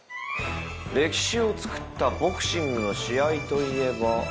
歴史をつくったボクシングの試合といえば。